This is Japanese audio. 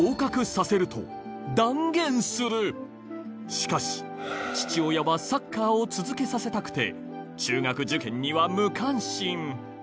しかし父親はサッカーを続けさせたくて中学受験には無関心